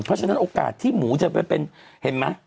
เพราะฉะนั้นโอกาสที่หมูจะไปเป็นเห็นไหม